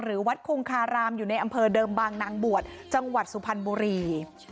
วัดคงคารามอยู่ในอำเภอเดิมบางนางบวชจังหวัดสุพรรณบุรี